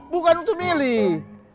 bukan untuk milih